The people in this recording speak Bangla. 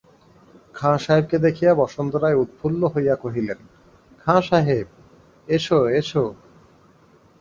খাঁ সাহেবকে দেখিয়া বসন্ত রায় উৎফুল্ল হইয়া কহিলেন, খাঁ সাহেব, এসো এসো।